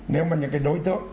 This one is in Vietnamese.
nếu mà những đối tượng